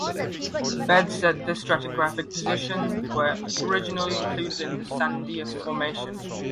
Beds at this stratigraphic position were originally included in the Sandia Formation.